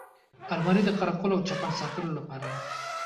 الماري د قره قل او چپن ساتلو لپاره ده